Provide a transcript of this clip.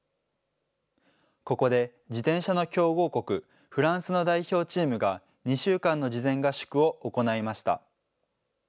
ここで自転車の強豪国、フランスの代表チームが２週間の事前合宿を行いました。